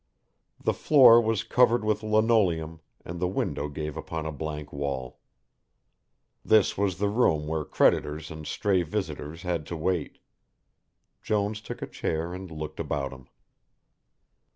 The floor was covered with linoleum, and the window gave upon a blank wall. This was the room where creditors and stray visitors had to wait. Jones took a chair and looked about him.